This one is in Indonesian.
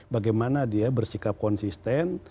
bagaimana dia bersikap konsisten